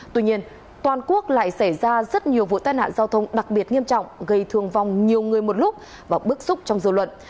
tuy nhiên toàn quốc lại xảy ra rất nhiều vụ tai nạn giao thông đặc biệt nghiêm trọng gây thương vong nhiều người một lúc và bức xúc trong dư luận